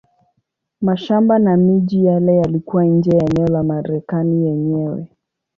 Mashamba na miji yale yalikuwa nje ya eneo la Marekani yenyewe.